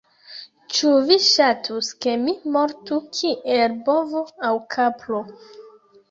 Ĉu vi ŝatus ke mi mortu kiel bovo, aŭ kapro?